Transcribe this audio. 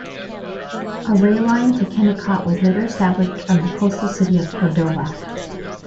A rail line to Kennicott was later established from the coastal city of Cordova.